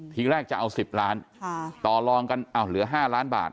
ที่แรกจะเอาสิบล้านค่ะต่อรองกันอ้าวเหลือห้าร้านบาท